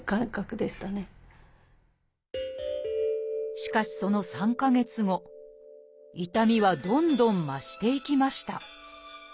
しかしその３か月後痛みはどんどん増していきました